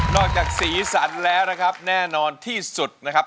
จากสีสันแล้วนะครับแน่นอนที่สุดนะครับ